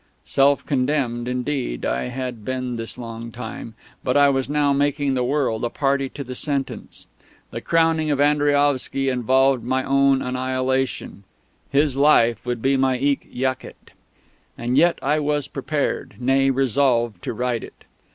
Self condemned, indeed, I had been this long time; but I was now making the world a party to the sentence. The crowning of Andriaovsky involved my own annihilation; his "Life" would be my "Hic Jacet." And yet I was prepared, nay, resolved, to write it.